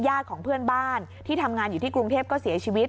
ของเพื่อนบ้านที่ทำงานอยู่ที่กรุงเทพก็เสียชีวิต